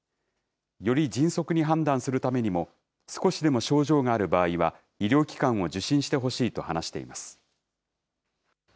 より迅速に判断するためにも、少しでも症状がある場合は、医療機関を受診してほしいと話しています。